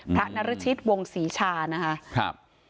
พระนรชิตวงศรีชานะคะ